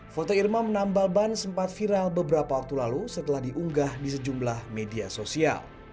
foto irma menambal ban sempat viral beberapa waktu lalu setelah diunggah di sejumlah media sosial